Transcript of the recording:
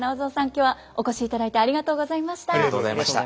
今日はお越しいただいてありがとうございました。